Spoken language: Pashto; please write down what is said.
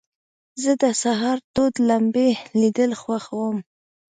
زه د سهار تود لمبې لیدل خوښوم.